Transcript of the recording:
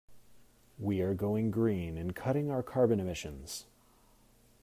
We are going green and cutting our carbon emissions.